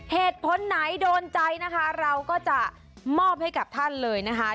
เหตุผลไหนโดนใจนะคะเราก็จะมอบให้กับท่านเลยนะคะ